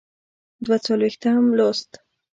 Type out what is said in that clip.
دوه څلویښتم لوست.